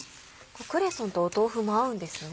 クレソンと豆腐も合うんですね。